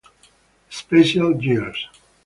The Special Years.